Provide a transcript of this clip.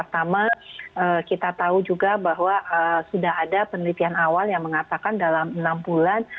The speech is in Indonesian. pertama kita tahu juga bahwa sudah ada penelitian awal yang mengatakan dalam enam bulan